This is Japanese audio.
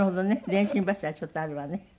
電信柱ちょっとあるわね。